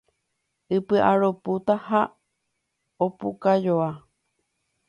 Ipy'aropúta ha opukajoa